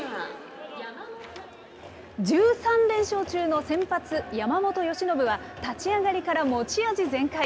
１３連勝中の先発、山本由伸は、立ち上がりから持ち味全開。